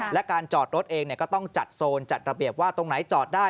และการจอดรถเองก็ต้องจัดโซนจัดระเบียบว่าตรงไหนจอดได้